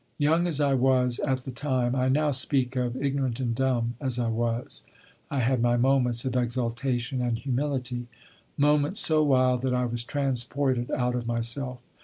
Young as I was at the time I now speak of, ignorant and dumb as I was, I had my moments of exultation and humility, moments so wild that I was transported out of myself.